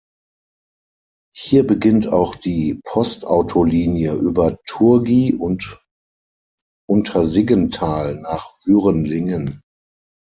Hier beginnt auch die Postautolinie über Turgi und Untersiggenthal nach Würenlingen.